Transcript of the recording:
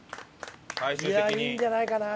いやあいいんじゃないかな。